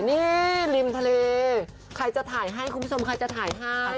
นี่ริมทะเลใครจะถ่ายให้คุณผู้ชมใครจะถ่ายให้